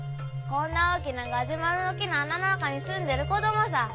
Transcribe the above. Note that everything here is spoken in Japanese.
こんな大きなガジュマルの樹の穴の中に住んでる子供さぁ。